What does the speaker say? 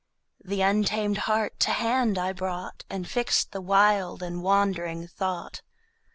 The untam'd Heart to hand I brought, And fixt the wild and wandring Thought.